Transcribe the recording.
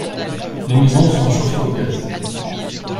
Les maisons sont chauffées au gaz.